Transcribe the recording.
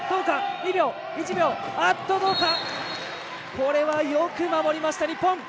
これはよく守りました日本。